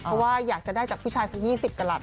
เพราะว่าอยากจะได้จากผู้ชายสัก๒๐กระหลั